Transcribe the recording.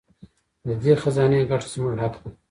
د دې خزانې ګټه زموږ حق دی.